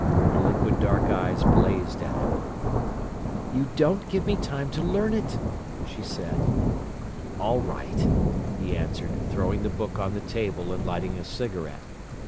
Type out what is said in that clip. Her liquid dark eyes blazed at him. "You don't give me time to learn it," she said. "All right," he answered, throwing the book on the table and lighting a cigarette.